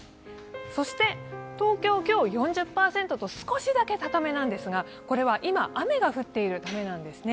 そして東京、今日４０％と少しだけ高めなんですが、これは今、雨が降っているためなんですね。